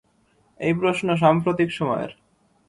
এই প্রশ্ন সাম্প্রতিক সময়ের।